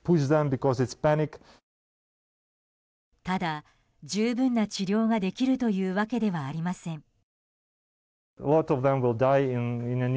ただ、十分な治療ができるというわけではありません。